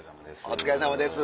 お疲れさまです。